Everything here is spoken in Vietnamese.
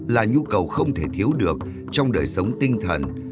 là nhu cầu không thể thiếu được trong đời sống tinh thần